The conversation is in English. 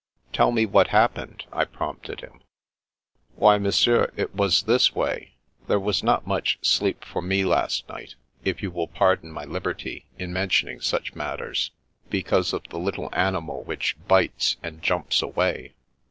Tell me what happened," I prompted him. Why, Monsieur, it was this way. There was not much sleep for me last night, if you will pardon my liberty in mentioning such matters, because of the little animal which bites and jumps away.